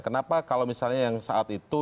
kenapa kalau misalnya yang saat itu